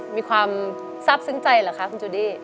มีความทราบซึ้งใจเหรอคะคุณจูดี้